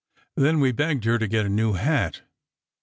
Then we begged her to get a new hat.